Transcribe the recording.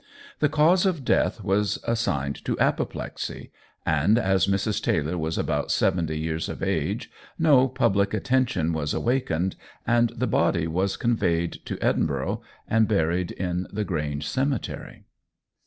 The cause of death was assigned to apoplexy, and as Mrs. Taylor was about seventy years of age no public attention was awakened, and the body was conveyed to Edinburgh and buried in the Grange Cemetery.